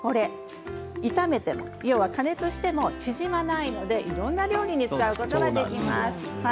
炒めても要は加熱しても縮まないのでいろんな料理に使うことができます。